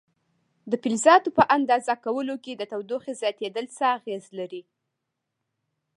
د فلزاتو په اندازه کولو کې د تودوخې زیاتېدل څه اغېزه لري؟